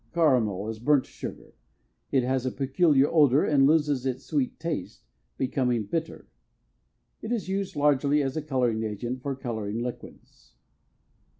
Caramel is burnt sugar; it has a peculiar odor and loses its sweet taste, becoming bitter. It is used largely as a coloring agent for coloring liquids.